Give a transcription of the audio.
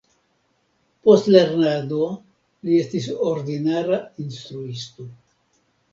Post lernado li estis ordinara instruisto.